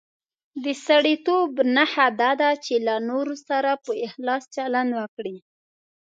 د سړیتوب نښه دا ده چې له نورو سره په اخلاص چلند وکړي.